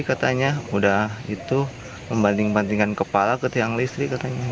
katanya udah itu membanding bandingkan kepala ke tiang listrik katanya